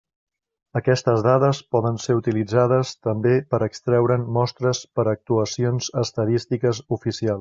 Aquestes dades poden ser utilitzades, també, per extreure'n mostres per a actuacions estadístiques oficials.